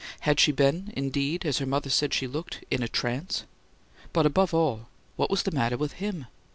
Had she been, indeed, as her mother said she looked, "in a trance?" But above all: What was the matter with HIM?